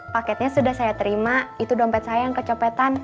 paketnya sudah saya terima itu dompet saya yang kecopetan